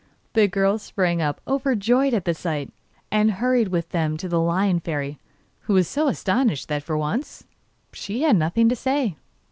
The girl sprang up overjoyed at the sight, and hurried with them to the Lion Fairy, who was so astonished that for once she had nothing to say.